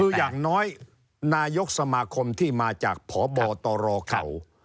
คืออย่างน้อยนายกสมาคมที่มาจากพบตรเก่า